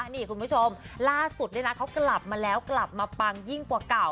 นี่คุณผู้ชมล่าสุดเขากลับมาแล้วกลับมาปังยิ่งกว่าเก่า